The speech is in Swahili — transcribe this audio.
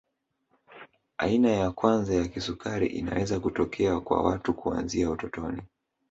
Aina ya kwanza ya kisukari inaweza kutokea kwa watu kuanzia utotoni